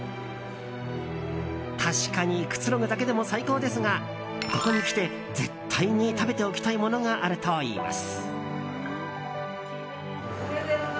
確かにくつろぐだけでも最高ですがここに来て絶対に食べておきたいものがあるといいます。